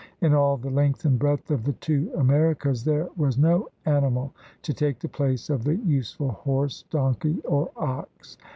In all the length and breadth of the two Americas there was no animal to take the place of the useful horse, donkey, or ox.